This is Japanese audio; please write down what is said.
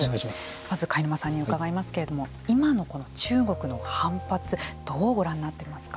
まず開沼さんに伺いますけれども今のこの中国の反発どうご覧になっていますか。